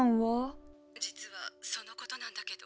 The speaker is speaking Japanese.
☎実はそのことなんだけど。